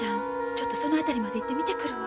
ちょっとその辺りまで行って見てくるわ。